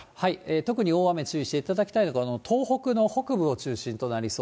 特に大雨注意していただきたいのが東北の北部を中心となりそ